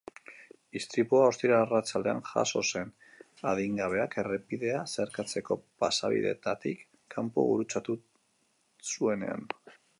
Istripua ostiral arratsaldean jazo zen, adingabeak errepidea zeharkatzeko pasabideetatik kanpo gurutzatu zuenean.